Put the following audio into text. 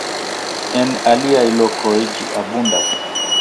En aliaj lokoj ĝi abundas.